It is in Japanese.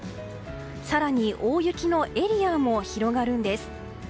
更に大雪のエリアも広がるんです。